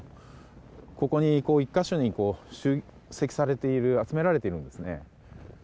ここに１か所に集積され集められているんですね。